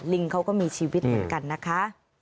ลิงเขาก็มีชีวิตเหมือนกันนะคะ